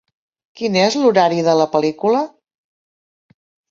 Quin és l'horari de la pel·lícula